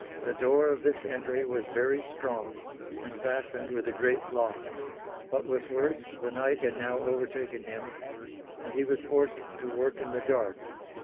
"The door of this entry was very strong,[221:1] and fastened with a great lock. What was worse, the night had now overtaken him, and he was forced to work in the dark.